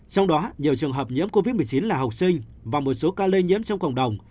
trong đó nhiều trường hợp nhiễm covid một mươi chín là học sinh và một số ca lây nhiễm trong cộng đồng